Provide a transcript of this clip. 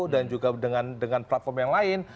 dan juga dengan platform yang lain